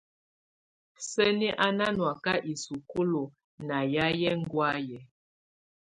Sǝ́ni á ná nɔ́áka isukulu ná yayɛ̀á ɛŋgɔ̀áyɛ.